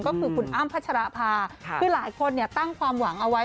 ก็คือคุณอ้ำพัชราภาคือหลายคนตั้งความหวังเอาไว้